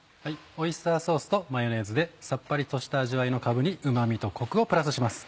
オイスターソースとマヨネーズでさっぱりとした味わいのかぶにうま味とコクをプラスします。